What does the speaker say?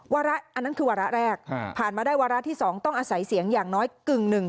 อันนั้นคือวาระแรกผ่านมาได้วาระที่๒ต้องอาศัยเสียงอย่างน้อยกึ่งหนึ่ง